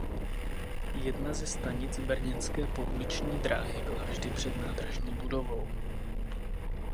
Jedna ze stanic brněnské pouliční dráhy byla vždy před nádražní budovou.